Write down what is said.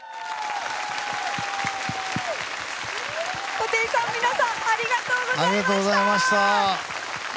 布袋さん、皆さんありがとうございました。